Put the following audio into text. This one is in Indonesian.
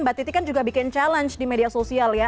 mbak titi kan juga bikin challenge di media sosial ya